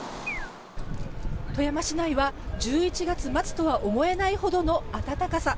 富山市内は１１月末とは思えないほどの暖かさ。